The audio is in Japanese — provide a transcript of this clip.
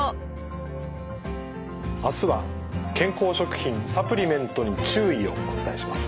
あすは「健康食品・サプリメントに注意！」をお伝えします。